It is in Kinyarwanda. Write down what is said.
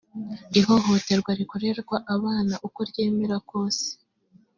ihohoterwa rikorerwa abana uko ryemera kose